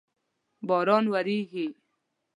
باران وریږی